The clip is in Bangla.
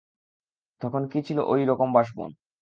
তখন কি ছিল ঐ রকম বাঁশবন!